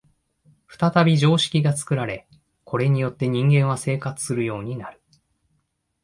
再び常識が作られ、これによって人間は生活するようになる。